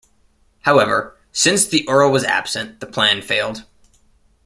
However, since the Earl was absent, the plan failed.